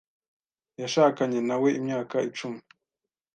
Yashakanye na we imyaka icumi.